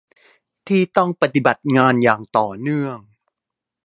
ที่ต้องปฏิบัติงานอย่างต่อเนื่อง